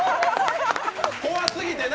怖すぎてな！